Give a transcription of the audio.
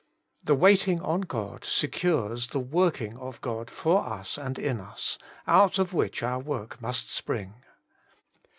The waiting on God secures the working of God for us and in us, out of which our work must spring.